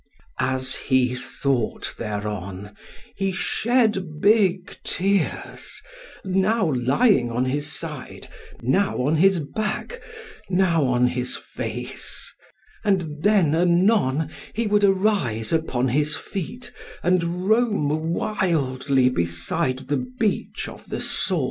As he thought thereon he shed big tears, now lying on his side, now on his back, now on his face; and then anon he would arise upon his feet and roam wildly beside the beach of the salt sea."